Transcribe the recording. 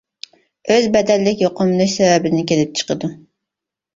ئۆز بەدەنلىك يۇقۇملىنىش سەۋەبىدىن كېلىپ چىقىدۇ.